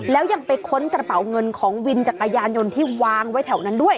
แล้วยังไปค้นกระเป๋าเงินของวินจักรยานยนต์ที่วางไว้แถวนั้นด้วย